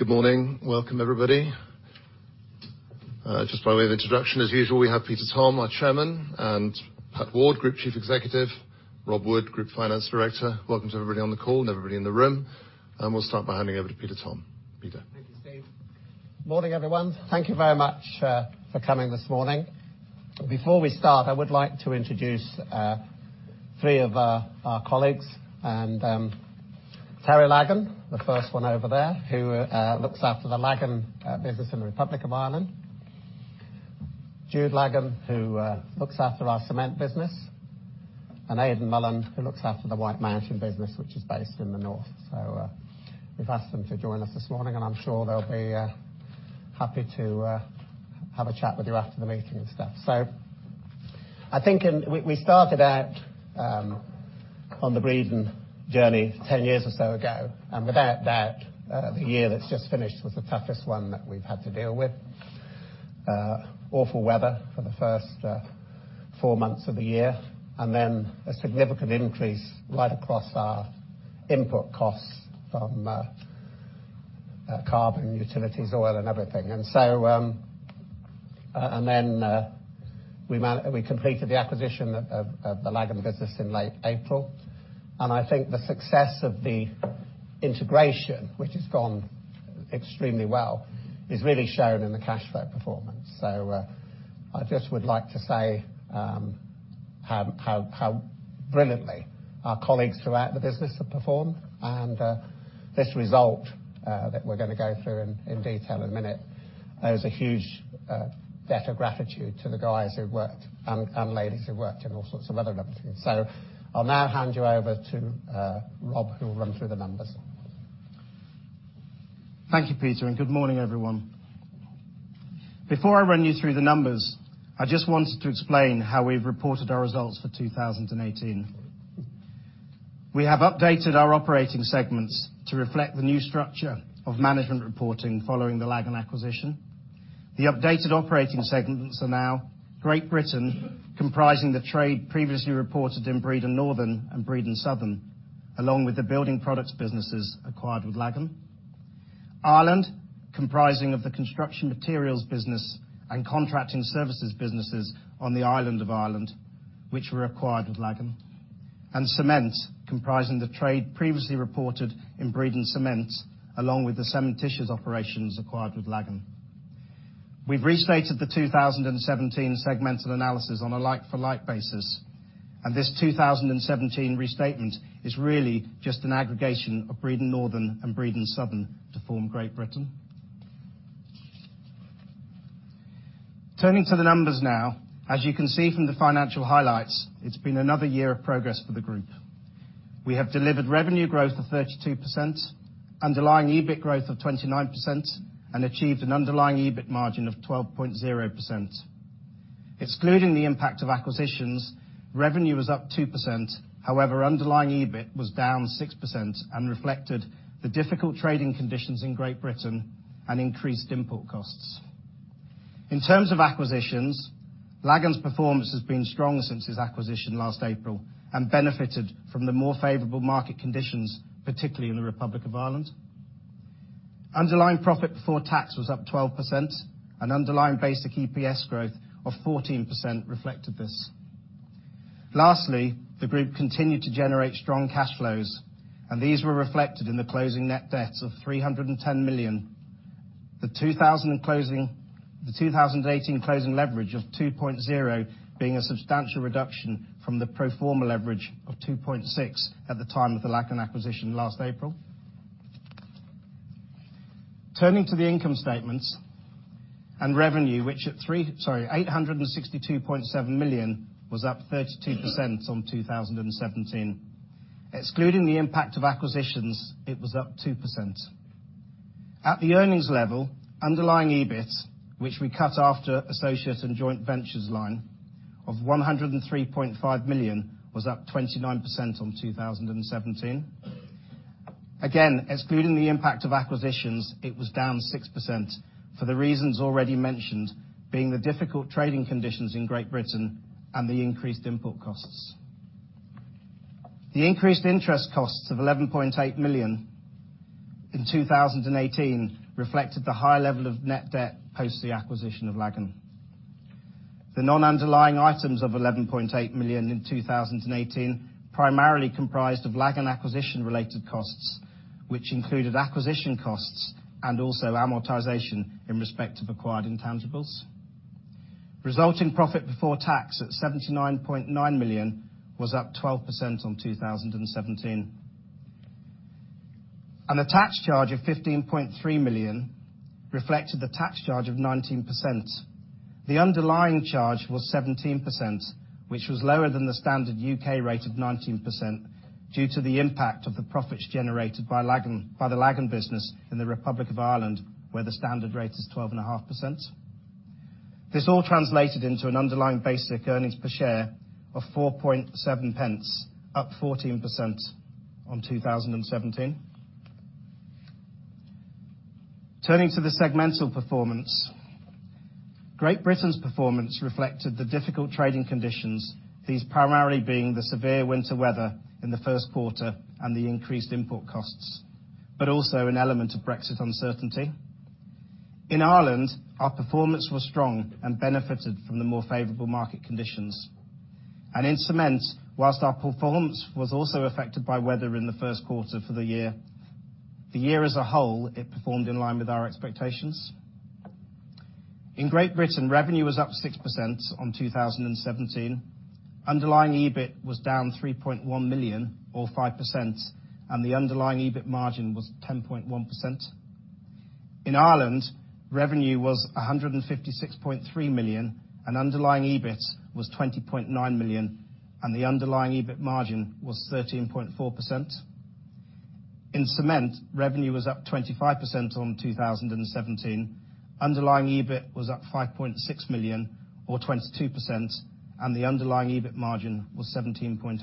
Good morning. Welcome everybody. Just by way of introduction, as usual, we have Peter Tom, our Chairman, and Pat Ward, Group Chief Executive, Rob Wood, Group Finance Director. Welcome to everybody on the call and everybody in the room, and we'll start by handing over to Peter Tom. Peter? Thank you, Steve. Morning, everyone. Thank you very much for coming this morning. Before we start, I would like to introduce three of our colleagues. Terry Lagan, the first one over there, who looks after the Lagan business in the Republic of Ireland. Jude Lagan, who looks after our cement business, and Aidan Mullan, who looks after the Whitemountain business, which is based in the North. We've asked them to join us this morning, and I'm sure they'll be happy to have a chat with you after the meeting and stuff. I think we started out on the Breedon journey 10 years or so ago, and without a doubt, the year that's just finished was the toughest one that we've had to deal with. Awful weather for the first four months of the year, then a significant increase right across our input costs from carbon, utilities, oil, and everything. Then we completed the acquisition of the Lagan business in late April. I think the success of the integration, which has gone extremely well, is really shown in the cash flow performance. I just would like to say how brilliantly our colleagues throughout the business have performed. This result that we're going to go through in detail in a minute is a huge debt of gratitude to the guys who worked and ladies who worked and all sorts of other levels. I'll now hand you over to Rob Wood, who will run through the numbers. Thank you, Peter. Good morning, everyone. Before I run you through the numbers, I just wanted to explain how we've reported our results for 2018. We have updated our operating segments to reflect the new structure of management reporting following the Lagan acquisition. The updated operating segments are now Great Britain, comprising the trade previously reported in Breedon Northern and Breedon Southern, along with the building products businesses acquired with Lagan. Ireland, comprising of the construction materials business and contracting services businesses on the island of Ireland, which were acquired with Lagan. Cement, comprising the trade previously reported in Breedon Cement, along with the cementitious operations acquired with Lagan. We've restated the 2017 segmental analysis on a like for like basis, this 2017 restatement is really just an aggregation of Breedon Northern and Breedon Southern to form Great Britain. Turning to the numbers now. As you can see from the financial highlights, it's been another year of progress for the group. We have delivered revenue growth of 32%, underlying EBIT growth of 29%, and achieved an underlying EBIT margin of 12.0%. Excluding the impact of acquisitions, revenue was up 2%. However, underlying EBIT was down 6% and reflected the difficult trading conditions in Great Britain and increased input costs. In terms of acquisitions, Lagan's performance has been strong since its acquisition last April and benefited from the more favorable market conditions, particularly in the Republic of Ireland. Underlying profit before tax was up 12%, and underlying basic EPS growth of 14% reflected this. The group continued to generate strong cash flows, and these were reflected in the closing net debts of 310 million. The 2018 closing leverage of 2.0x being a substantial reduction from the pro forma leverage of 2.6x at the time of the Lagan acquisition last April. Revenue, which at 862.7 million, was up 32% on 2017. Excluding the impact of acquisitions, it was up 2%. At the earnings level, underlying EBIT, which we cut after associates and joint ventures line, of 103.5 million, was up 29% on 2017. Excluding the impact of acquisitions, it was down 6% for the reasons already mentioned, being the difficult trading conditions in Great Britain and the increased input costs. The increased interest costs of 11.8 million in 2018 reflected the high level of net debt post the acquisition of Lagan. The non-underlying items of 11.8 million in 2018 primarily comprised of Lagan acquisition related costs, which included acquisition costs and also amortization in respect of acquired intangibles. Resulting profit before tax at 79.9 million was up 12% on 2017. The tax charge of 15.3 million reflected the tax charge of 19%. The underlying charge was 17%, which was lower than the standard U.K. rate of 19% due to the impact of the profits generated by the Lagan business in the Republic of Ireland, where the standard rate is 12.5%. This all translated into an underlying basic earnings per share of 0.047, up 14% on 2017. Great Britain's performance reflected the difficult trading conditions, these primarily being the severe winter weather in the first quarter and the increased import costs, but also an element of Brexit uncertainty. Our performance in Ireland was strong and benefited from the more favorable market conditions. In cement, whilst our performance was also affected by weather in the first quarter for the year, the year as a whole, it performed in line with our expectations. Revenue in Great Britain was up 6% on 2017. Underlying EBIT was down 3.1 million or 5%, and the underlying EBIT margin was 10.1%. Revenue in Ireland was 156.3 million, and underlying EBIT was 20.9 million, and the underlying EBIT margin was 13.4%. Revenue in cement was up 25% on 2017. Underlying EBIT was up 5.6 million or 22%, and the underlying EBIT margin was 17.8%.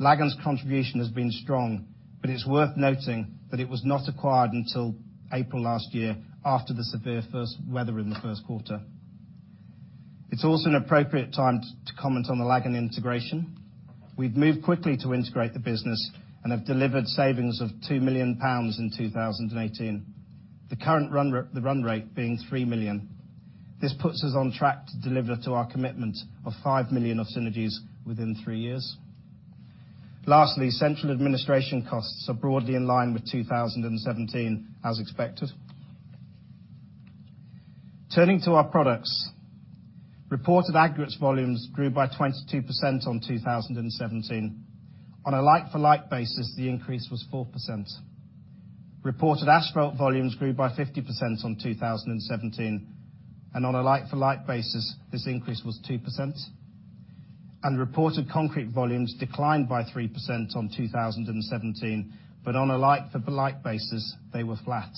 Lagan's contribution has been strong, but it's worth noting that it was not acquired until April last year, after the severe weather in the first quarter. It's also an appropriate time to comment on the Lagan integration. We've moved quickly to integrate the business and have delivered savings of 2 million pounds in 2018, the run rate being 3 million. This puts us on track to deliver to our commitment of 5 million of synergies within three years. Lastly, central administration costs are broadly in line with 2017, as expected. Turning to our products. Reported aggregates volumes grew by 22% on 2017. On a like-for-like basis, the increase was 4%. Reported asphalt volumes grew by 50% on 2017, on a like-for-like basis, this increase was 2%. Reported concrete volumes declined by 3% on 2017, but on a like-for-like basis, they were flat.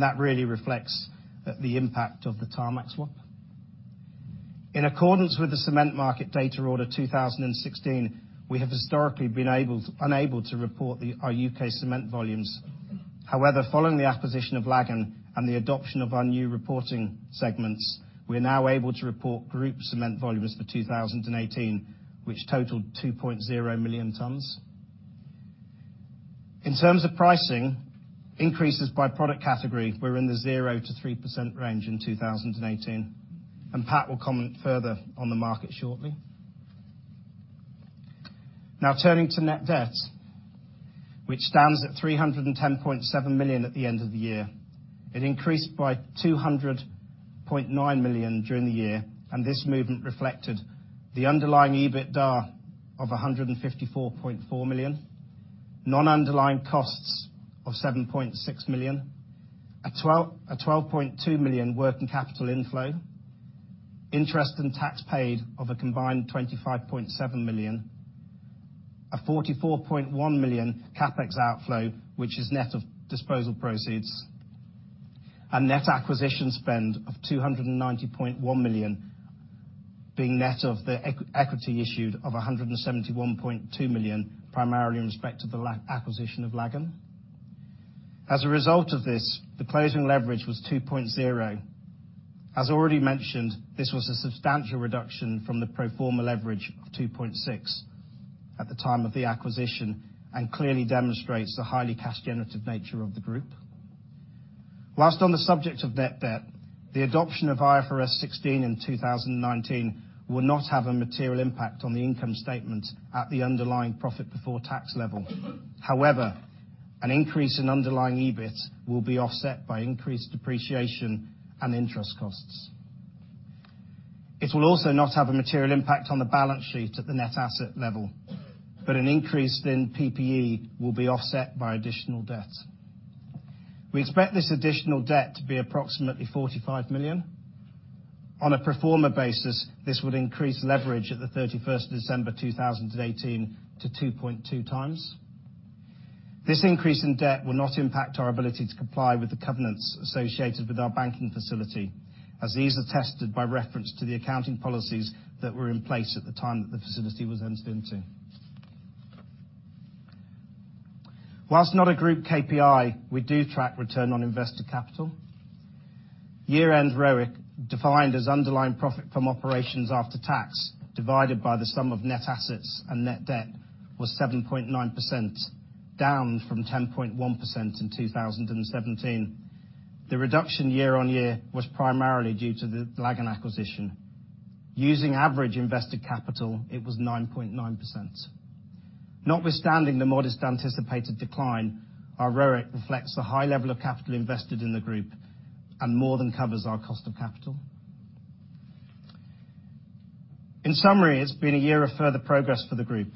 That really reflects the impact of the Tarmac swap. In accordance with the Cement Market Data Order 2016, we have historically been unable to report our U.K. cement volumes. However, following the acquisition of Lagan and the adoption of our new reporting segments, we are now able to report group cement volumes for 2018, which totaled 2.0 million tons. In terms of pricing, increases by product category were in the 0%-3% range in 2018, Pat will comment further on the market shortly. Turning to net debt, which stands at 310.7 million at the end of the year. This movement reflected the underlying EBITDA of 154.4 million, non-underlying costs of 7.6 million, a 12.2 million working capital inflow, interest and tax paid of a combined 25.7 million, a 44.1 million CapEx outflow, which is net of disposal proceeds, and net acquisition spend of 290.1 million, being net of the equity issued of 171.2 million, primarily in respect of the acquisition of Lagan. As a result of this, the closing leverage was 2.0x. As already mentioned, this was a substantial reduction from the pro forma leverage of 2.6x at the time of the acquisition and clearly demonstrates the highly cash generative nature of the group. Last on the subject of net debt, the adoption of IFRS 16 in 2019 will not have a material impact on the income statement at the underlying profit before tax level. However, an increase in underlying EBIT will be offset by increased depreciation and interest costs. It will also not have a material impact on the balance sheet at the net asset level, but an increase in PP&E will be offset by additional debt. We expect this additional debt to be approximately 45 million. On a pro forma basis, this would increase leverage at the 31st December 2018 to 2.2x. This increase in debt will not impact our ability to comply with the covenants associated with our banking facility, as these are tested by reference to the accounting policies that were in place at the time that the facility was entered into. Whilst not a group key performance indicators, we do track return on invested capital. Year-end return on invested capital, defined as underlying profit from operations after tax divided by the sum of net assets and net debt, was 7.9%, down from 10.1% in 2017. The reduction year-on-year was primarily due to the Lagan acquisition. Using average invested capital, it was 9.9%. Notwithstanding the modest anticipated decline, our ROIC reflects the high level of capital invested in the group and more than covers our cost of capital. In summary, it's been a year of further progress for the group.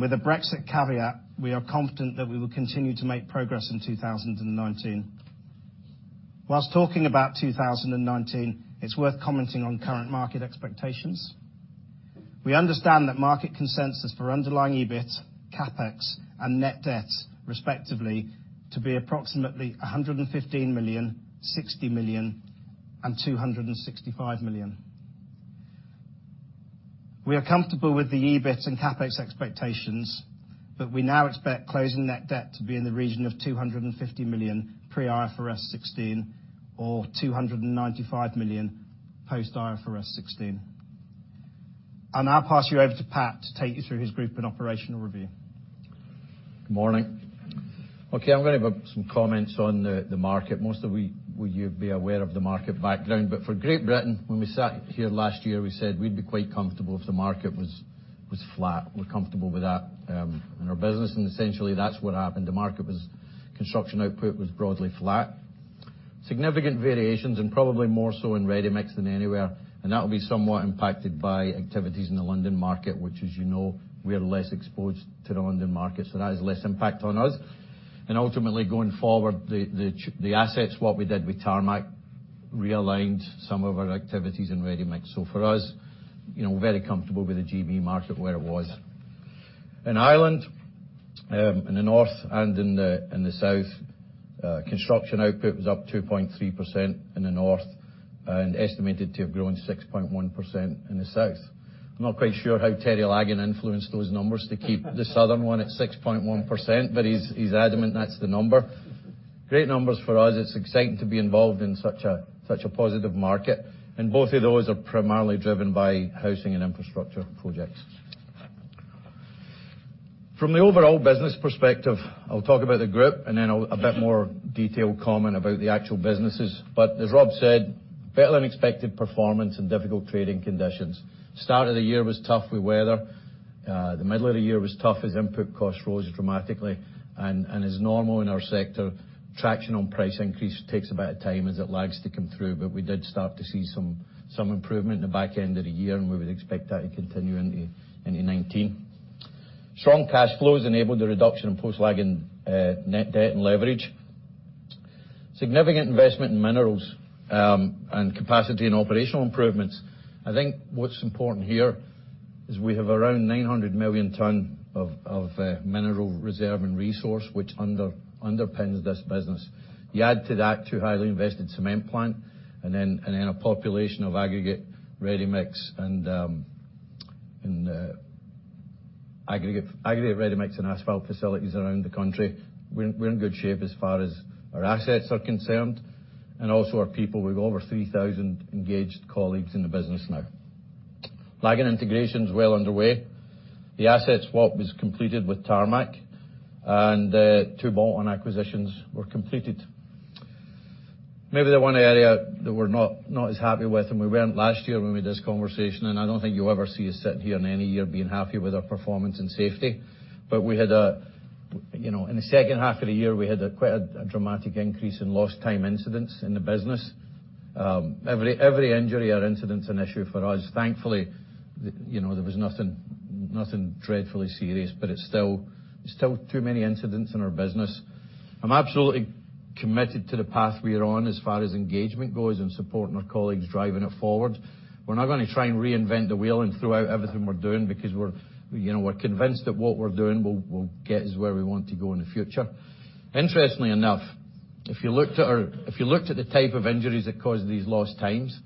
With a Brexit caveat, we are confident that we will continue to make progress in 2019. Whilst talking about 2019, it's worth commenting on current market expectations. We understand that market consensus for underlying EBIT, CapEx, and net debt, respectively, to be approximately 115 million, 60 million, and 265 million. We are comfortable with the EBIT and CapEx expectations, but we now expect closing net debt to be in the region of 250 million pre-IFRS 16 or 295 million post IFRS 16. I'll now pass you over to Pat Ward to take you through his group and operational review. Good morning. Okay, I'm going to give some comments on the market. Most of you will be aware of the market background, for Great Britain, when we sat here last year, we said we'd be quite comfortable if the market was flat. We're comfortable with that in our business, and essentially that's what happened. Construction output was broadly flat. Significant variations and probably more so in ready-mix than anywhere, and that will be somewhat impacted by activities in the London market, which as you know, we are less exposed to the London market, so that has less impact on us. Ultimately, going forward, the assets, what we did with Tarmac realigned some of our activities in ready-mix. For us, we're very comfortable with the GB market where it was. In Ireland, in the north and in the south, construction output was up 2.3% in the north and estimated to have grown 6.1% in the south. I'm not quite sure how Terry Lagan influenced those numbers to keep the southern one at 6.1%, but he's adamant that's the number. Great numbers for us. It's exciting to be involved in such a positive market, both of those are primarily driven by housing and infrastructure projects. From the overall business perspective, I'll talk about the group and then a bit more detailed comment about the actual businesses. As Rob said, better-than-expected performance and difficult trading conditions. Start of the year was tough with weather. The middle of the year was tough as input costs rose dramatically. As normal in our sector, traction on price increase takes about a time as it lags to come through. We did start to see some improvement in the back end of the year, and we would expect that to continue into 2019. Strong cash flows enabled the reduction in post-Lagan net debt and leverage. Significant investment in minerals and capacity and operational improvements. I think what's important here is we have around 900 million ton of mineral reserve and resource, which underpins this business. You add to that two highly invested cement plant and then a population of aggregate, ready-mix, and asphalt facilities around the country. We're in good shape as far as our assets are concerned and also our people. We've over 3,000 engaged colleagues in the business now. Lagan integration is well underway. The asset swap was completed with Tarmac, and two bolt-on acquisitions were completed. In the second half of the year, we had quite a dramatic increase in lost time incidents in the business. Every injury or incident is an issue for us. Thankfully, there was nothing dreadfully serious, but it's still too many incidents in our business. I'm absolutely committed to the path we are on as far as engagement goes and supporting our colleagues driving it forward. We're not going to try and reinvent the wheel and throw out everything we're doing because we're convinced that what we're doing will get us where we want to go in the future. Interestingly enough, if you looked at the type of injuries that caused these lost times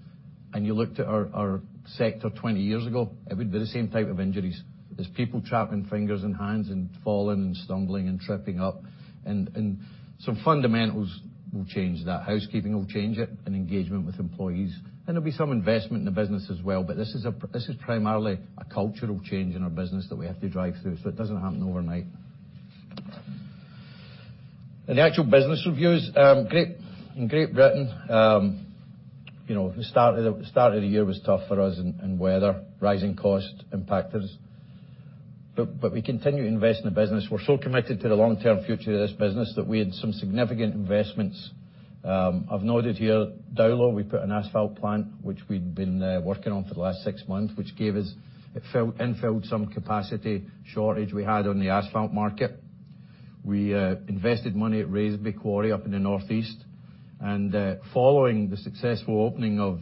and you looked at our sector 20 years ago, it would be the same type of injuries. There's people trapping fingers and hands and falling and stumbling and tripping up. Some fundamentals will change that. Housekeeping will change it and engagement with employees. There'll be some investment in the business as well, but this is primarily a cultural change in our business that we have to drive through, so it doesn't happen overnight. In the actual business reviews, Great Britain, the start of the year was tough for us in weather. Rising cost impacted us. We continue to invest in the business. We're so committed to the long-term future of this business that we had some significant investments. I've noted here, Dowlow, we put an asphalt plant, which we'd been working on for the last six months, which gave us, it infilled some capacity shortage we had on the asphalt market. We invested money at Raisby Quarry up in the northeast. Following the successful opening of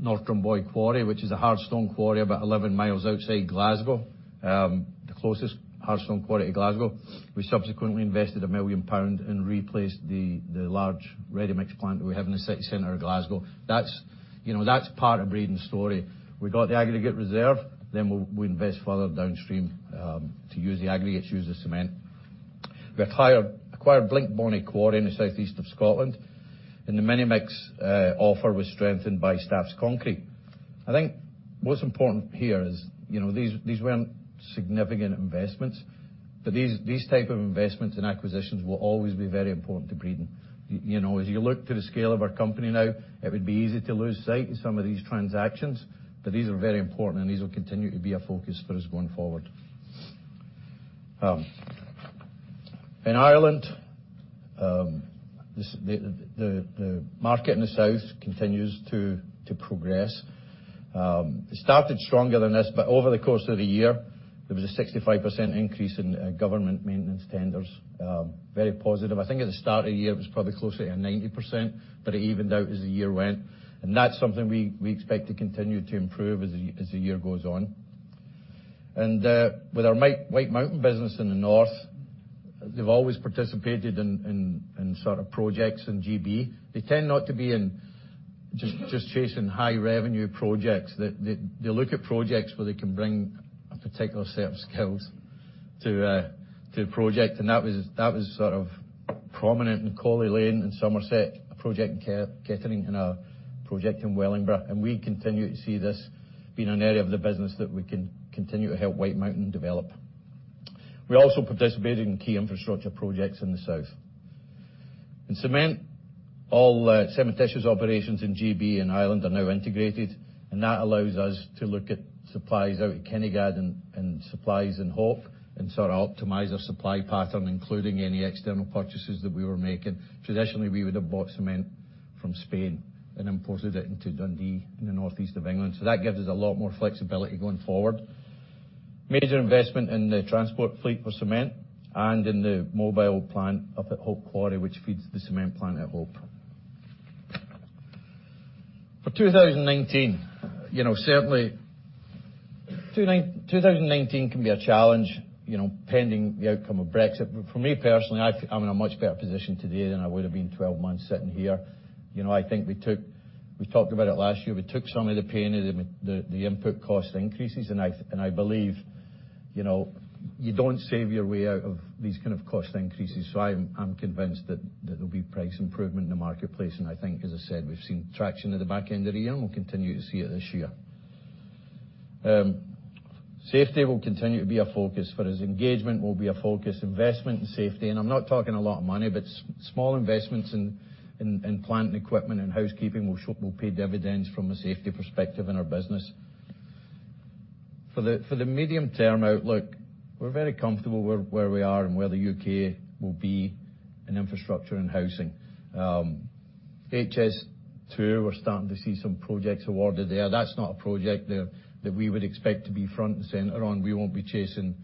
North Drumboy Quarry, which is a hard stone quarry about 11 mi outside Glasgow, the closest hard stone quarry to Glasgow. We subsequently invested 1 million pound and replaced the large ready-mix plant that we have in the city center of Glasgow. That's part of Breedon's story. We got the aggregate reserve, we invest further downstream to use the aggregates, use the cement. We acquired Blinkbonny Quarry in the southeast of Scotland, the mini-mix offer was strengthened by Staffs Concrete. I think what's important here is, these weren't significant investments, these type of investments and acquisitions will always be very important to Breedon. As you look to the scale of our company now, it would be easy to lose sight of some of these transactions, these are very important and these will continue to be a focus for us going forward. In Ireland, the market in the south continues to progress. It started stronger than this, over the course of the year, there was a 65% increase in government maintenance tenders. Very positive. I think at the start of the year, it was probably closer to 90%, it evened out as the year went. That's something we expect to continue to improve as the year goes on. With our Whitemountain business in the north, they've always participated in projects in GB. They tend not to be in just chasing high revenue projects. They look at projects where they can bring a particular set of skills to a project, and that was prominent in Colley Lane and Somerset, a project in Kettering, and a project in Wellingborough. We continue to see this being an area of the business that we can continue to help Whitemountain develop. We also participated in key infrastructure projects in the south. In cement, all cementitious operations in GB and Ireland are now integrated, and that allows us to look at supplies out of Kinnegad and supplies in Hope and sort of optimize our supply pattern, including any external purchases that we were making. Traditionally, we would have bought cement from Spain and imported it into Dundee in the northeast of England. That gives us a lot more flexibility going forward. Major investment in the transport fleet for cement and in the mobile plant up at Hope Quarry, which feeds the cement plant at Hope. For 2019, certainly 2019 can be a challenge pending the outcome of Brexit. For me personally, I'm in a much better position today than I would've been 12 months sitting here. I think we talked about it last year, we took some of the pain of the input cost increases. I believe you don't save your way out of these kind of cost increases. I'm convinced that there'll be price improvement in the marketplace. I think, as I said, we've seen traction at the back end of the year, and we'll continue to see it this year. Safety will continue to be a focus for us. Engagement will be a focus, investment in safety, and I'm not talking a lot of money, but small investments in plant and equipment and housekeeping will pay dividends from a safety perspective in our business. For the medium-term outlook, we're very comfortable where we are and where the U.K. will be in infrastructure and housing. HS2, we're starting to see some projects awarded there. That's not a project that we would expect to be front and center on. We won't be chasing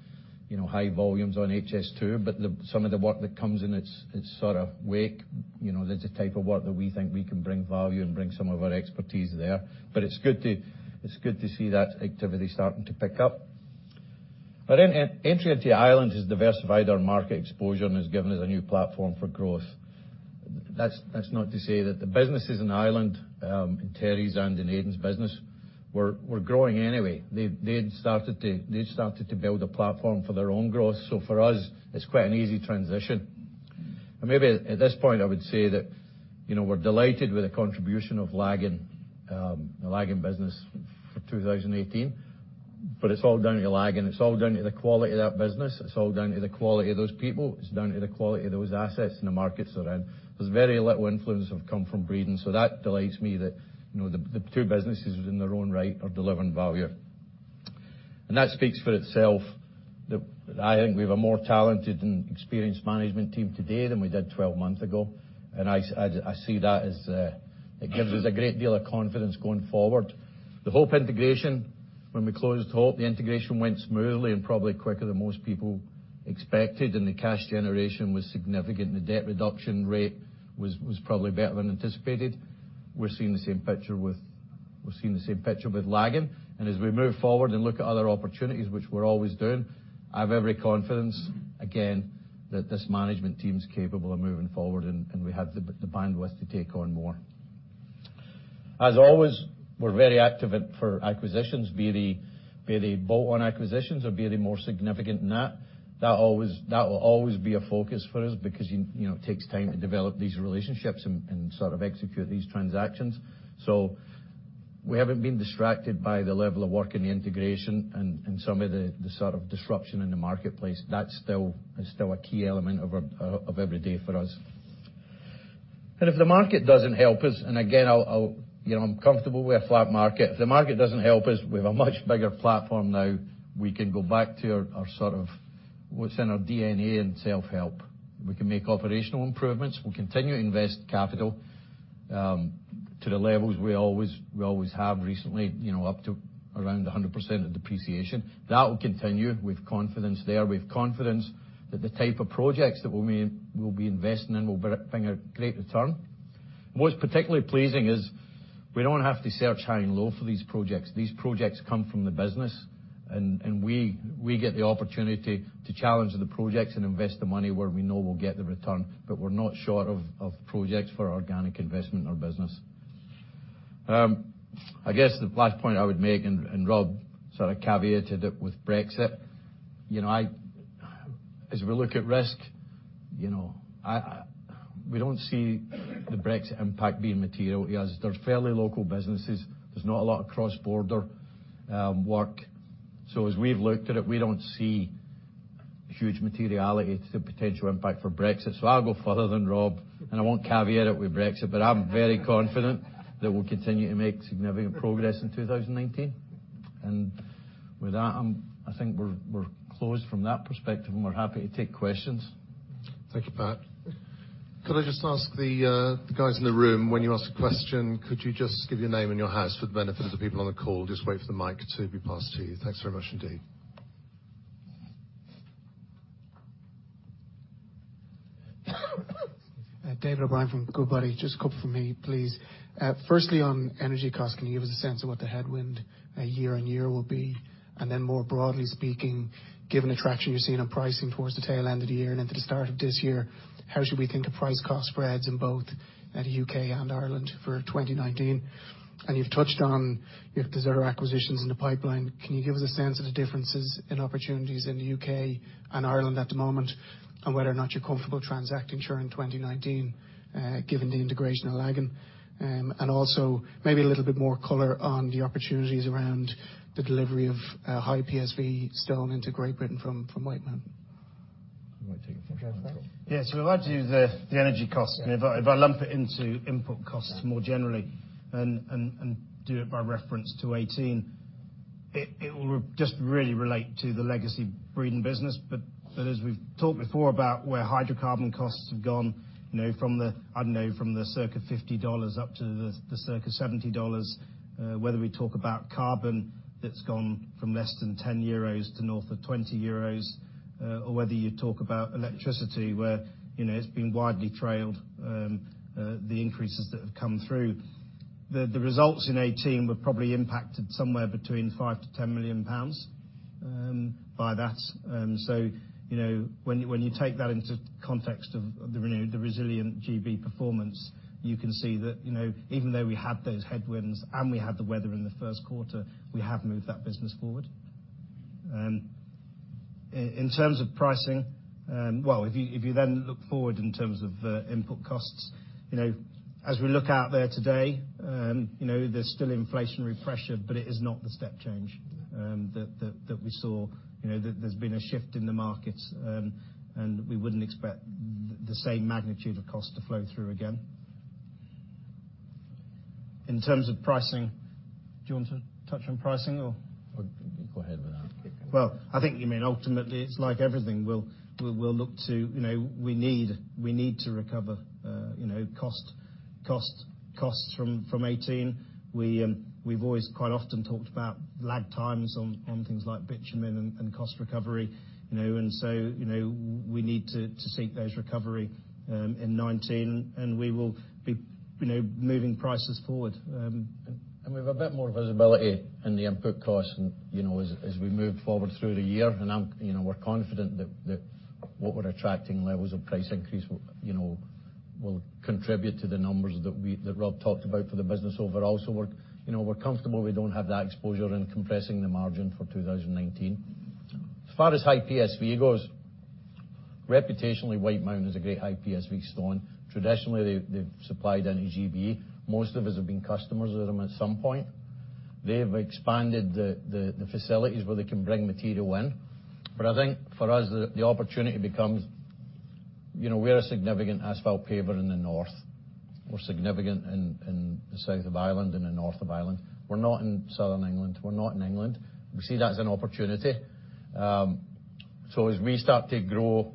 high volumes on HS2, but some of the work that comes in its sort of wake. That's the type of work that we think we can bring value and bring some of our expertise there. It's good to see that activity starting to pick up. Our entry into Ireland has diversified our market exposure and has given us a new platform for growth. That's not to say that the businesses in Ireland, in Terry's and in Aidan's business, were growing anyway. They'd started to build a platform for their own growth. For us, it's quite an easy transition. Maybe at this point, I would say that we're delighted with the contribution of Lagan, the Lagan business for 2018. It's all down to Lagan. It's all down to the quality of that business. It's all down to the quality of those people. It's down to the quality of those assets and the markets they're in. There's very little influence that have come from Breedon. That delights me that the two businesses in their own right are delivering value. That speaks for itself that I think we've a more talented and experienced management team today than we did 12 months ago. I see that as it gives us a great deal of confidence going forward. The Hope integration, when we closed Hope, the integration went smoothly and probably quicker than most people expected, and the cash generation was significant and the debt reduction rate was probably better than anticipated. We're seeing the same picture with Lagan. As we move forward and look at other opportunities, which we're always doing, I have every confidence, again, that this management team's capable of moving forward, and we have the bandwidth to take on more. As always, we're very active for acquisitions, be they bolt-on acquisitions or be they more significant than that. That will always be a focus for us because it takes time to develop these relationships and sort of execute these transactions. We haven't been distracted by the level of work in the integration and some of the sort of disruption in the marketplace. That's still a key element of every day for us. If the market doesn't help us, and again, I'm comfortable with a flat market. If the market doesn't help us, we have a much bigger platform now. We can go back to our sort of what's in our DNA in self-help. We can make operational improvements. We'll continue to invest capital, to the levels we always have recently, up to around 100% of depreciation. That will continue. We've confidence there. We've confidence that the type of projects that we'll be investing in will bring a great return. What's particularly pleasing is we don't have to search high and low for these projects. These projects come from the business, we get the opportunity to challenge the projects and invest the money where we know we'll get the return. We're not short of projects for organic investment in our business. I guess the last point I would make, Rob sort of caveated it with Brexit. As we look at risk, we don't see the Brexit impact being material. They're fairly local businesses. There's not a lot of cross-border work. As we've looked at it, we don't see huge materiality to the potential impact for Brexit. I'll go further than Rob, and I won't caveat it with Brexit, but I'm very confident that we'll continue to make significant progress in 2019. With that, I think we're closed from that perspective, and we're happy to take questions. Thank you, Pat. Could I just ask the guys in the room, when you ask a question, could you just give your name and your house for the benefit of the people on the call? Just wait for the mic to be passed to you. Thanks very much indeed. David O'Brien from Goodbody. Just a couple from me, please. Firstly, on energy costs, can you give us a sense of what the headwind year-over-year will be? More broadly speaking, given the traction you're seeing on pricing towards the tail end of the year and into the start of this year, how should we think of price cost spreads in both the U.K. and Ireland for 2019? You've touched on if there's other acquisitions in the pipeline. Can you give us a sense of the differences in opportunities in the U.K. and Ireland at the moment, and whether or not you're comfortable transacting during 2019, given the integration of Lagan? Also maybe a little bit more color on the opportunities around the delivery of high Polished Stone Value stone into Great Britain from Whitemountain. You want to take it first, then? If I do the energy cost, if I lump it into input costs more generally, do it by reference to 2018, it will just really relate to the legacy Breedon business. As we've talked before about where hydrocarbon costs have gone from the, I don't know, from the circa GBP 50 up to the circa GBP 70, whether we talk about carbon that's gone from less than 10 euros to north of 20 euros, or whether you talk about electricity, where it's been widely trailed, the increases that have come through. The results in 2018 were probably impacted somewhere between 5 million-10 million pounds by that. When you take that into context of the resilient Great Britain performance, you can see that even though we had those headwinds and we had the weather in the first quarter, we have moved that business forward. In terms of pricing, if you then look forward in terms of input costs, as we look out there today, there's still inflationary pressure, it is not the step change that we saw. There's been a shift in the markets, we wouldn't expect the same magnitude of cost to flow through again. In terms of pricing, do you want to touch on pricing or? Go ahead with that. Well, I mean ultimately, it's like everything, we need to recover cost from 2018. We've always quite often talked about lag times on things like bitumen and cost recovery. We need to seek those recovery in 2019, and we will be moving prices forward. We have a bit more visibility in the input costs as we moved forward through the year. We're confident that what we're attracting levels of price increase will contribute to the numbers that Rob talked about for the business overall. We're comfortable we don't have that exposure in compressing the margin for 2019. As far as high PSV goes, reputationally, Whitemountain is a great high PSV stone. Traditionally, they've supplied only G.B. Most of us have been customers with them at some point. They've expanded the facilities where they can bring material in. I think for us, the opportunity becomes, we are a significant asphalt paver in the north. We're significant in the south of Ireland and the north of Ireland. We're not in southern England. We're not in England. We see that as an opportunity. As we start to grow,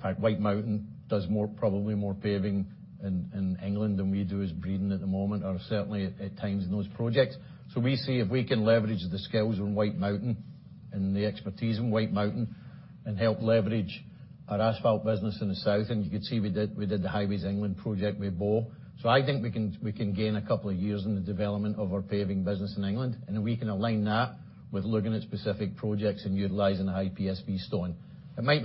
in fact, Whitemountain does probably more paving in England than we do as Breedon at the moment, or certainly at times in those projects. We see if we can leverage the skills in Whitemountain and the expertise in Whitemountain and help leverage our asphalt business in the south. You could see we did the Highways England project with BO. I think we can gain a couple of years in the development of our paving business in England, and we can align that with looking at specific projects and utilizing the high PSV stone. It might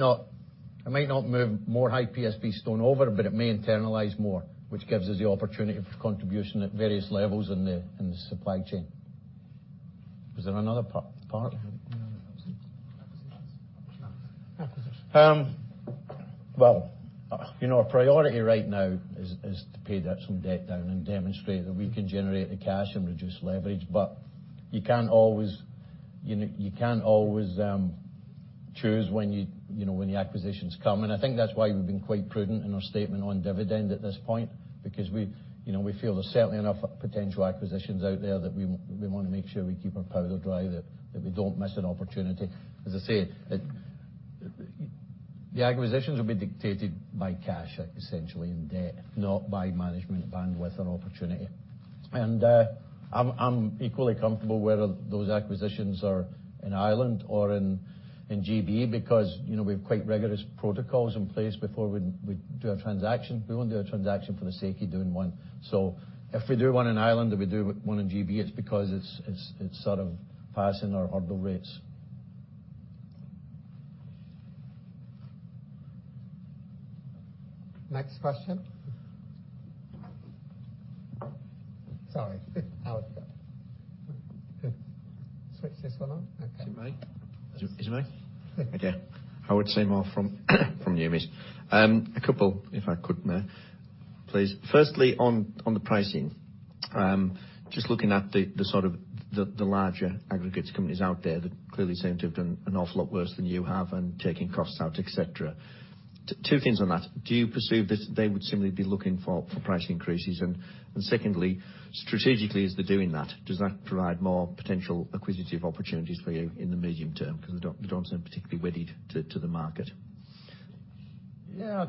not move more high PSV stone over, but it may internalize more, which gives us the opportunity for contribution at various levels in the supply chain. Was there another part? Well, our priority right now is to pay down some debt down and demonstrate that we can generate the cash and reduce leverage. You can't always choose when the acquisitions come, and I think that's why we've been quite prudent in our statement on dividend at this point, because we feel there's certainly enough potential acquisitions out there that we want to make sure we keep our powder dry, that we don't miss an opportunity. As I say, the acquisitions will be dictated by cash, essentially, and debt, not by management bandwidth and opportunity. I'm equally comfortable whether those acquisitions are in Ireland or in GB because we have quite rigorous protocols in place before we do a transaction. We won't do a transaction for the sake of doing one. If we do one in Ireland or we do one in GB, it's because it's sort of passing our hurdle rates. Next question. Sorry. Howard. Switch this one on. Okay. Is it me? Okay. Howard Shore from Shore Capital Group. A couple if I could, mate, please. Firstly, on the pricing, just looking at the sort of the larger aggregates companies out there that clearly seem to have done an awful lot worse than you have and taking costs out, et cetera. Two things on that. Do you perceive that they would similarly be looking for price increases? Secondly, strategically, as they're doing that, does that provide more potential acquisitive opportunities for you in the medium term? You don't seem particularly wedded to the market. Yeah.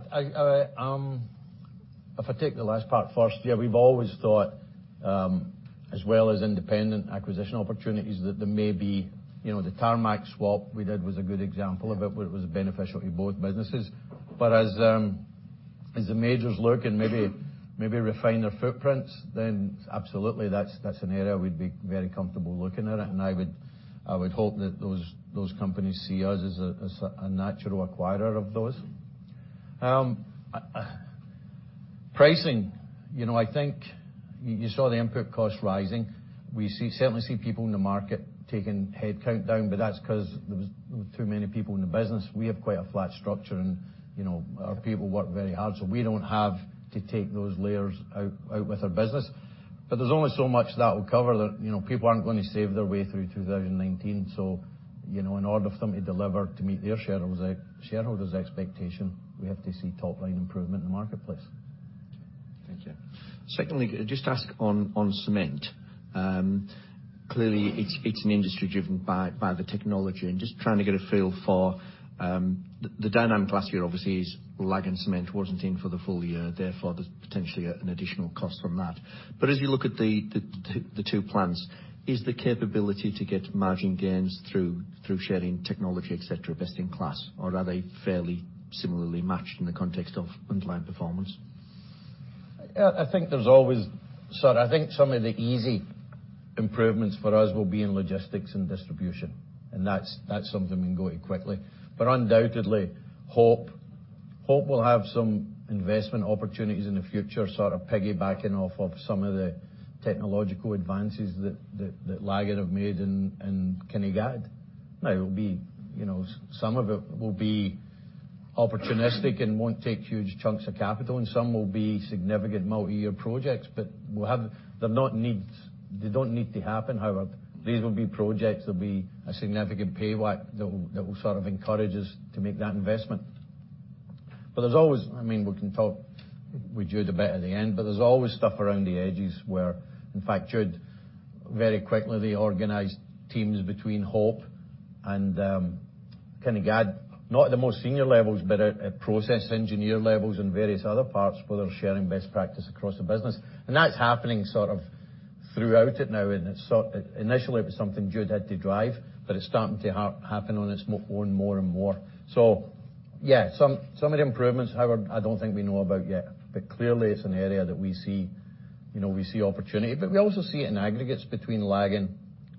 If I take the last part first, yeah, we've always thought as well as independent acquisition opportunities that there may be. The Tarmac swap we did was a good example of it, where it was beneficial to both businesses. As the majors look and maybe refine their footprints, absolutely that's an area we'd be very comfortable looking at. I would hope that those companies see us as a natural acquirer of those. Pricing. I think you saw the input cost rising. We certainly see people in the market taking headcount down, that's because there was too many people in the business. We have quite a flat structure, and our people work very hard, we don't have to take those layers out with our business. There's only so much that will cover. People aren't going to save their way through 2019. In order for them to deliver to meet their shareholders' expectation, we have to see top-line improvement in the marketplace. Thank you. Secondly, just ask on cement. Clearly, it's an industry driven by the technology, just trying to get a feel for the dynamic last year, obviously, Lagan Cement wasn't in for the full year, therefore there's potentially an additional cost from that. As you look at the two plants, is the capability to get margin gains through sharing technology, et cetera, best in class, or are they fairly similarly matched in the context of underlying performance? I think some of the easy improvements for us will be in logistics and distribution, That's something we can go at quickly. Undoubtedly, Hope will have some investment opportunities in the future, sort of piggybacking off of some of the technological advances that Lagan have made in Kinnegad. Some of it will be opportunistic and won't take huge chunks of capital, Some will be significant multi-year projects. They don't need to happen. These will be projects that'll be a significant payback that will sort of encourage us to make that investment. We drew the bit at the end, There's always stuff around the edges where, in fact, Jude, very quickly, they organized teams between Hope and Kinnegad, not at the most senior levels, but at process engineer levels and various other parts where they're sharing best practice across the business. That's happening sort of throughout it now. Initially, it was something Jude had to drive, It's starting to happen more and more. Yeah, some of the improvements, however, I don't think we know about yet. Clearly, it's an area that we see opportunity, we also see it in aggregates between Lagan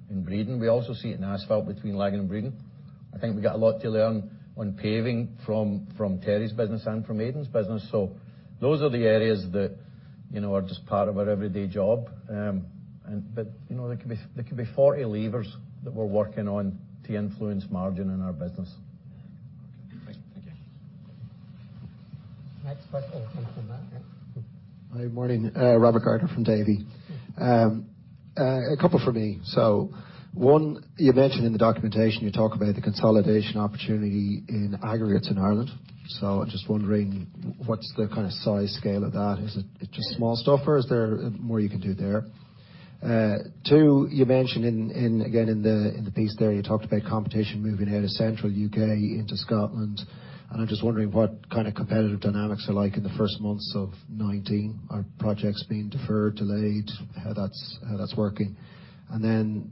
and Breedon. We also see it in asphalt between Lagan and Breedon. I think we got a lot to learn on paving from Terry's business and from Aidan's business. Those are the areas that are just part of our everyday job. There could be 40 levers that we're working on to influence margin in our business. Okay, great. Thank you. Next question comes from Mark. Good morning. Robert Carter from Davy. A couple from me. One, you mentioned in the documentation, you talk about the consolidation opportunity in aggregates in Ireland. I'm just wondering, what's the kind of size scale of that? Is it just small stuff, or is there more you can do there? Two, you mentioned, again, in the piece there, you talked about competition moving out of central U.K. into Scotland, and I'm just wondering what kind of competitive dynamics are like in the first months of 2019. Are projects being deferred, delayed? How that's working.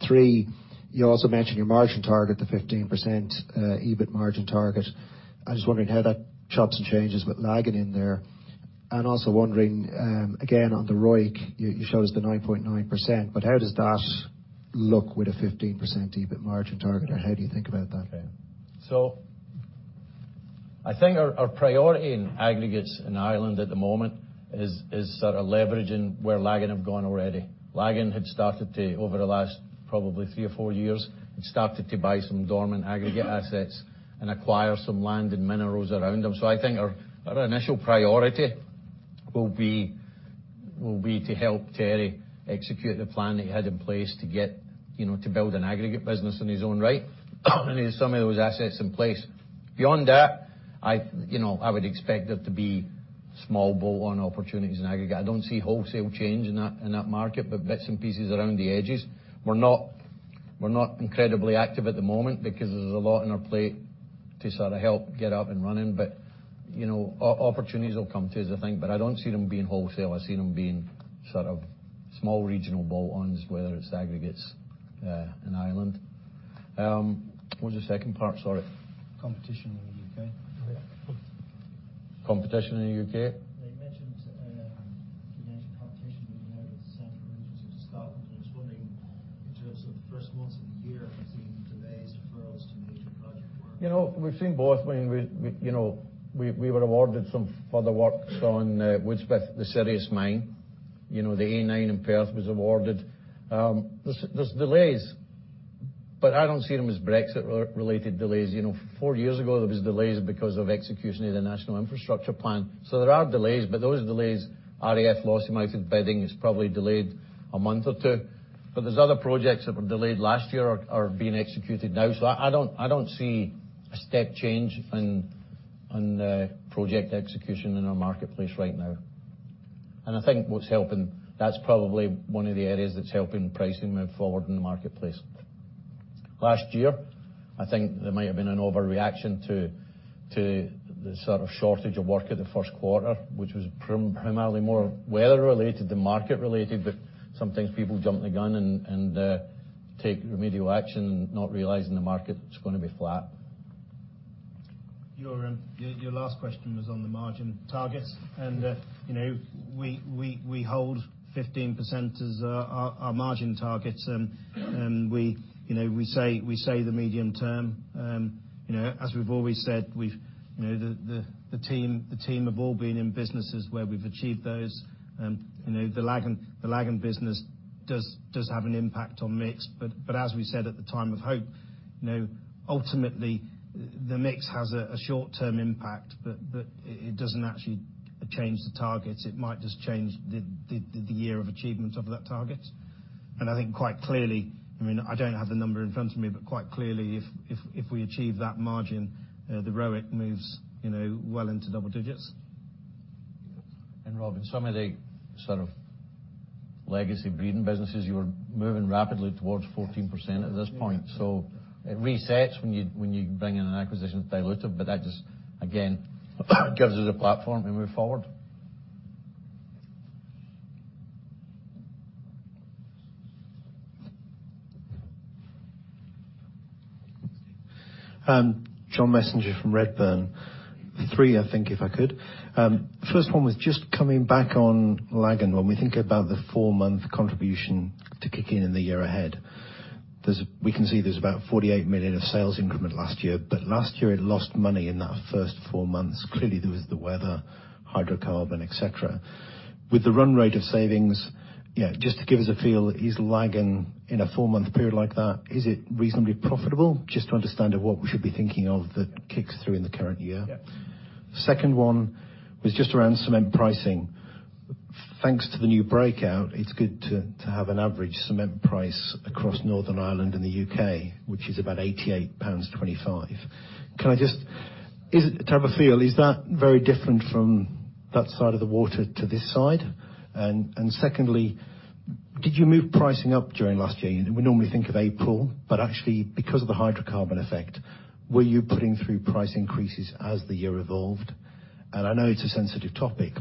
Three, you also mentioned your margin target, the 15% EBIT margin target. I'm just wondering how that chops and changes with Lagan in there. Also wondering, again, on the ROIC, you show us the 9.9%, but how does that look with a 15% EBIT margin target, or how do you think about that? I think our priority in aggregates in Ireland at the moment is sort of leveraging where Lagan have gone already. Lagan had started to, over the last probably three or four years, had started to buy some dormant aggregate assets and acquire some land and minerals around them. I think our initial priority will be to help Terry execute the plan that he had in place to build an aggregate business in his own right. He has some of those assets in place. Beyond that, I would expect there to be small bolt-on opportunities in aggregate. I don't see wholesale change in that market, but bits and pieces around the edges. We're not incredibly active at the moment because there's a lot on our plate to sort of help get up and running. Opportunities will come to us, I think, but I don't see them being wholesale. I see them being sort of small regional bolt-ons, whether it's aggregates in Ireland. What was the second part? Sorry. Competition in the U.K. Yeah. Competition in the U.K.? You mentioned competition moving out of the central regions into Scotland. I was wondering in terms of the first months of the year, have you seen delays, deferrals to major project work? We've seen both. We were awarded some further works on Woodsmith, the Sirius Minerals mine. The A9 in Perth was awarded. There's delays, but I don't see them as Brexit related delays. Four years ago, there was delays because of execution of the National Infrastructure Plan. There are delays, but those delays are the last amounted bidding is probably delayed a month or two. There's other projects that were delayed last year are being executed now. I don't see a step change in project execution in our marketplace right now. I think that's probably one of the areas that's helping pricing move forward in the marketplace. Last year, I think there might have been an overreaction to the sort of shortage of work at the first quarter, which was primarily more weather-related than market-related. Some things, people jump the gun and take remedial action, not realizing the market is going to be flat. Your last question was on the margin targets. We hold 15% as our margin targets. We say the medium term. As we've always said, the team have all been in businesses where we've achieved those. The Lagan business does have an impact on mix. As we said at the time of Hope, ultimately, the mix has a short-term impact, but it doesn't actually change the target. It might just change the year of achievement of that target. I think quite clearly, I don't have the number in front of me, but quite clearly, if we achieve that margin, the ROIC moves well into double digits. Rob, some of the sort of legacy Breedon businesses, you are moving rapidly towards 14% at this point. It resets when you bring in an acquisition that's dilutive, that just again, gives us a platform we move forward. John Messenger from Redburn. Three, I think, if I could. First one was just coming back on Lagan. When we think about the four-month contribution to kick in in the year ahead, we can see there is about 48 million of sales increment last year. Last year, it lost money in that first four months. Clearly, there was the weather, hydrocarbon, et cetera. With the run rate of savings, just to give us a feel, is Lagan in a four-month period like that, is it reasonably profitable? Just to understand what we should be thinking of that kicks through in the current year. Yeah. Second one was just around cement pricing. Thanks to the new breakout, it is good to have an average cement price across Northern Ireland and the U.K., which is about 88.25 pounds. To have a feel, is that very different from that side of the water to this side? Secondly, did you move pricing up during last year? We normally think of April, actually, because of the hydrocarbon effect, were you putting through price increases as the year evolved? I know it is a sensitive topic,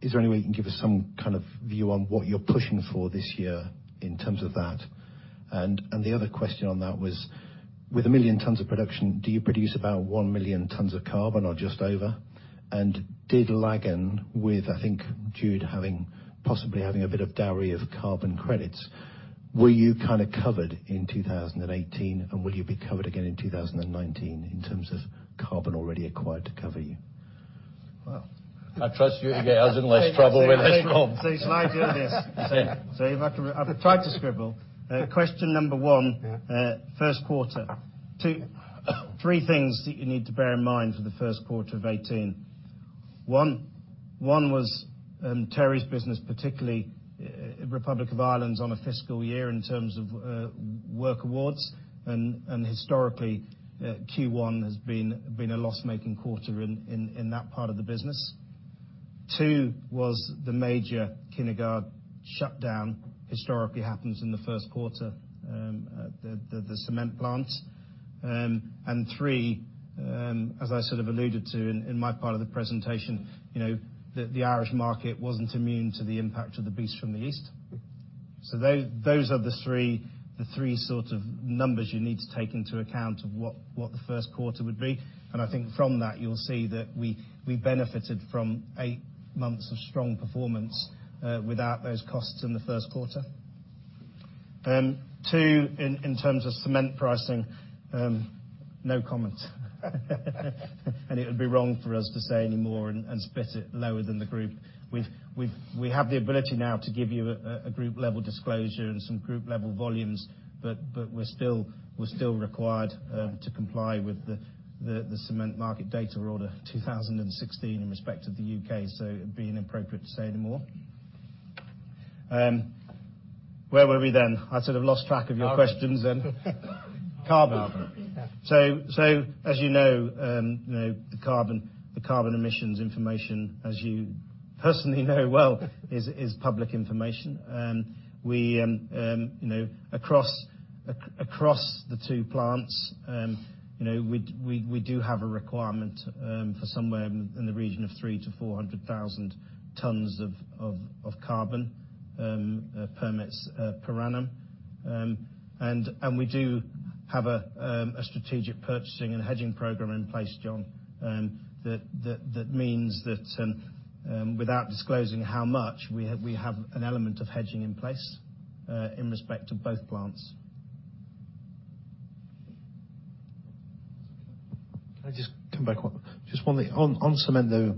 is there any way you can give us some kind of view on what you are pushing for this year in terms of that? The other question on that was, with 1 million tons of production, do you produce about 1 million tons of carbon or just over? Did Lagan with, I think, Jude possibly having a bit of dowry of carbon credits, were you kind of covered in 2018 and will you be covered again in 2019 in terms of carbon already acquired to cover you? Well, I trust you to get us in less trouble with this one. Shall I do this? Yeah. I've tried to scribble. Question number one. Yeah. First quarter. Three things that you need to bear in mind for the first quarter of 2018. One was in Terry's business, particularly Republic of Ireland, is on a fiscal year in terms of work awards, and historically, Q1 has been a loss-making quarter in that part of the business. Two was the major Kinnegad shutdown historically happens in the first quarter, the cement plant. Three, as I sort of alluded to in my part of the presentation, the Irish market wasn't immune to the impact of the Beast from the East. Those are the three sorts of numbers you need to take into account of what the first quarter would be. I think from that, you'll see that we benefited from eight months of strong performance without those costs in the first quarter. Two, in terms of cement pricing, no comment. It would be wrong for us to say any more and split it lower than the group. We have the ability now to give you a group level disclosure and some group level volumes, but we're still required to comply with the Cement Market Data Order 2016 in respect of the U.K. It'd be inappropriate to say any more. Where were we then? I sort of lost track of your questions then. Carbon. As you know, the carbon emissions information, as you personally know well, is public information. Across the two plants, we do have a requirement for somewhere in the region of 300,000-400,000 tons of carbon permits per annum. We do have a strategic purchasing and hedging program in place, John, that means that without disclosing how much, we have an element of hedging in place in respect to both plants. Can I just come back? Just one thing. On cement, though,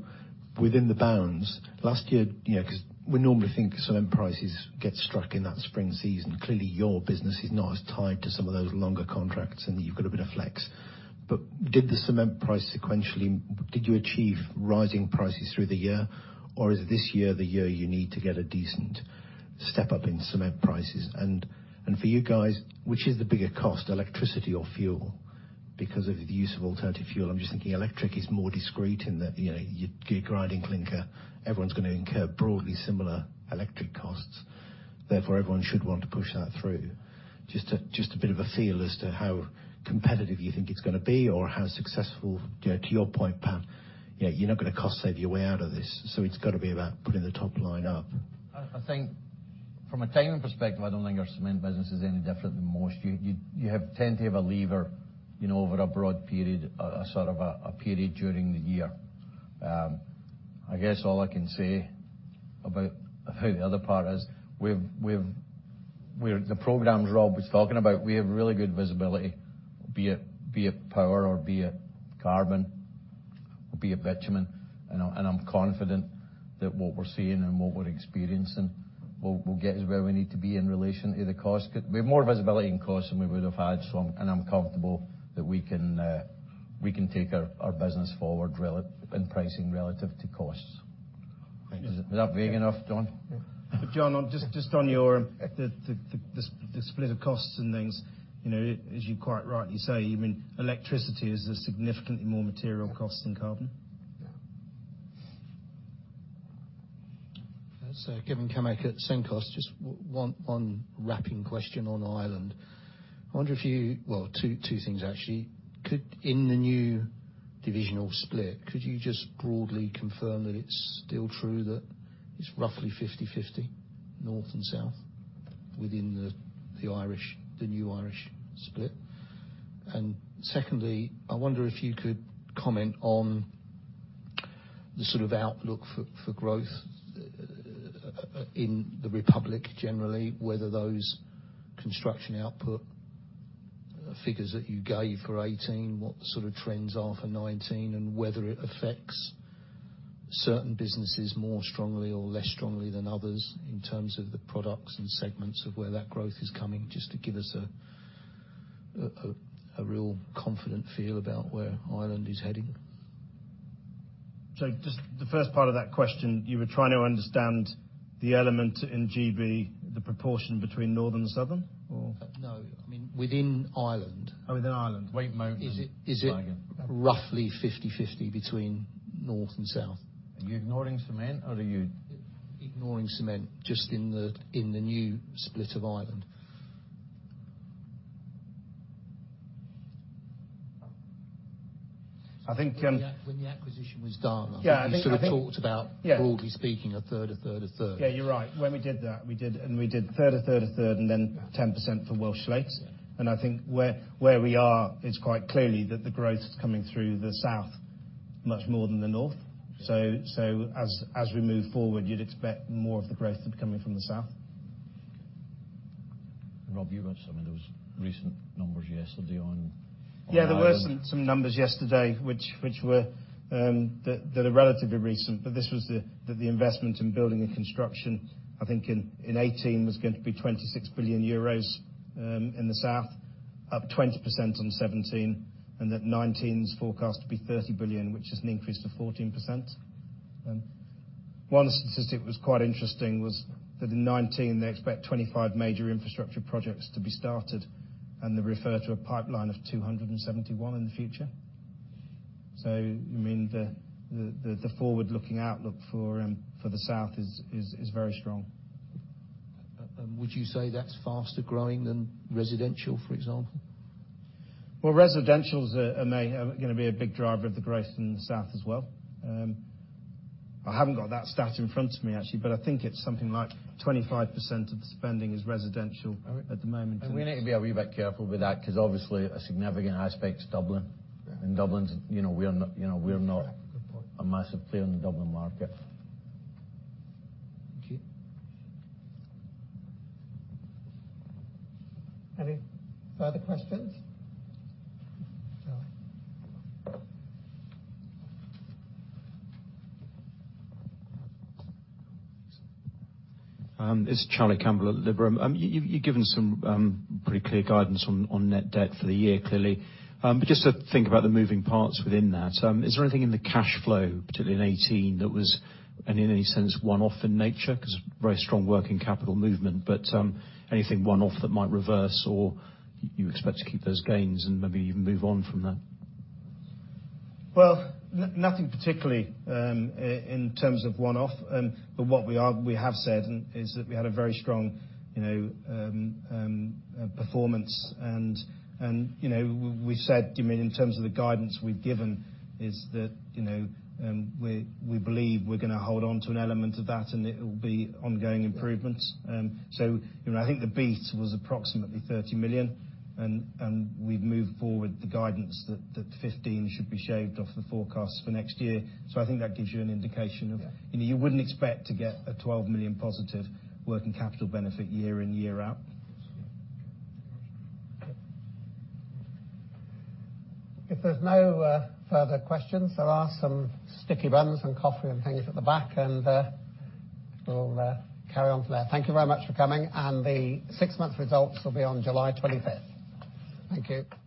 within the bounds, last year, because we normally think cement prices get struck in that spring season. Clearly, your business is not as tied to some of those longer contracts, and you've got a bit of flex. Did the cement price sequentially, did you achieve rising prices through the year? Or is this year the year you need to get a decent step up in cement prices? For you guys, which is the bigger cost, electricity or fuel? Because of the use of alternative fuel. I'm just thinking electric is more discreet in that you're grinding clinker, everyone's going to incur broadly similar electric costs. Therefore, everyone should want to push that through. Just a bit of a feel as to how competitive you think it's going to be or how successful, to your point, Pat, you're not going to cost save your way out of this. It's got to be about putting the top line up. I think from a timing perspective, I don't think our cement business is any different than most. You tend to have a lever over a broad period, a sort of a period during the year. I guess all I can say about how the other part is, the programs Rob was talking about, we have really good visibility, be it power or be it carbon or be it bitumen. I'm confident that what we're seeing and what we're experiencing will get us where we need to be in relation to the cost. We have more visibility in cost than we would have had, and I'm comfortable that we can take our business forward in pricing relative to costs. Thank you. Is that vague enough, John? Yeah. John, just on the split of costs and things. As you quite rightly say, electricity is a significantly more material cost than carbon. Yeah. It's Kevin Cammack at Cenkos Securities. Just one wrapping question on Ireland. Well, two things, actually. In the new divisional split, could you just broadly confirm that it's still true that it's roughly 50/50, north and south within the new Irish split? Secondly, I wonder if you could comment on the sort of outlook for growth in the Republic generally, whether those construction output figures that you gave for 2018, what sort of trends are for 2019 and whether it affects certain businesses more strongly or less strongly than others in terms of the products and segments of where that growth is coming, just to give us a real confident feel about where Ireland is heading. just the first part of that question, you were trying to understand the element in GB, the proportion between northern and southern? No, I mean within Ireland. Oh, within Ireland. Whitemountain. Is it roughly 50/50 between north and south? Are you ignoring cement or are you. Ignoring cement, just in the new split of Ireland. I think. When the acquisition was done. Yeah. We sort of talked about. Yeah. Broadly speaking, a third, a third, a third. Yeah, you're right. When we did that, we did a third, a third, a third, then 10% for Welsh Slate. I think where we are, it's quite clearly that the growth is coming through the south much more than the north. As we move forward, you'd expect more of the growth to be coming from the south. Rob, you got some of those recent numbers yesterday on Ireland. Yeah, there were some numbers yesterday that are relatively recent, but this was the investment in building and construction, I think in 2018, was going to be 26 billion euros in the south, up 20% on 2017, and that 2019 is forecast to be 30 billion, which is an increase of 14%. One statistic that was quite interesting was that in 2019 they expect 25 major infrastructure projects to be started, and they refer to a pipeline of 271 in the future. You mean the forward-looking outlook for the south is very strong. Would you say that's faster growing than residential, for example? Well, residential's going to be a big driver of the growth in the south as well. I haven't got that stat in front of me, actually, but I think it's something like 25% of the spending is residential at the moment. We need to be a wee bit careful with that because obviously a significant aspect is Dublin. Dublin, we are not a massive player in the Dublin market. Any further questions? It's Charlie Campbell at Liberum. You've given some pretty clear guidance on net debt for the year, clearly. Just to think about the moving parts within that, is there anything in the cash flow, particularly in 2018, that was in any sense one-off in nature? Very strong working capital movement, but anything one-off that might reverse or you expect to keep those gains and maybe even move on from that? Well, nothing particularly in terms of one-off. What we have said is that we had a very strong performance and we've said, in terms of the guidance we've given, is that we believe we're going to hold on to an element of that and it'll be ongoing improvements. I think the beat was approximately 30 million, and we've moved forward the guidance that 15 should be shaved off the forecast for next year. I think that gives you an indication of. Yeah. You wouldn't expect to get a 12 million positive working capital benefit year in, year out. If there's no further questions, there are some sticky buns and coffee and things at the back, and we'll carry on from there. Thank you very much for coming, and the six-month results will be on July 25th. Thank you. Thank you.